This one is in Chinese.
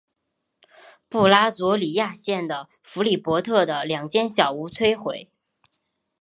布拉佐里亚县的弗里波特的两间小屋摧毁。